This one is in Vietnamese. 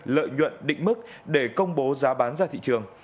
lợi nhuận định mức để công bố giá bán ra thị trường